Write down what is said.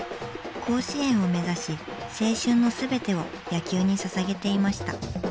甲子園を目指し青春の全てを野球にささげていました。